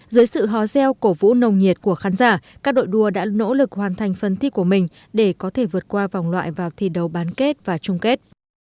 dưới sự hóa gieo cổ vũ nồng nhiệt của khán giả các đội đua đã nỗ lực hoàn thành phân thiết của mình để có thể vượt qua vòng loại vào thi đấu bán kết và trung kết